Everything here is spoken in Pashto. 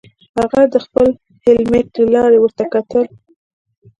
هغه د خپل هیلمټ له لارې ورته وکتل